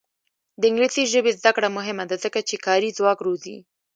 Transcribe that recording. د انګلیسي ژبې زده کړه مهمه ده ځکه چې کاري ځواک روزي.